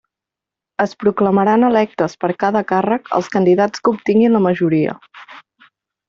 Es proclamaran electes, per a cada càrrec, els candidats que obtinguin la majoria.